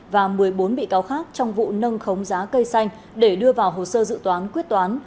và một mươi bốn bị cáo khác trong vụ nâng khống giá cây xanh để đưa vào hồ sơ dự toán quyết toán